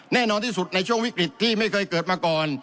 แน่นอนที่สุดในช่วงวิกฤตที่ไม่เคยเกิดมาก่อน